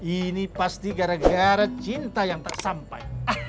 ini pasti gara gara cinta yang tak sampai